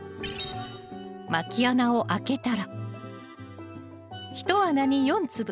まき穴を開けたら１穴に４粒。